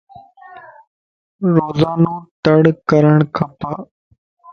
روزانو تڙ ڪرڻ کپ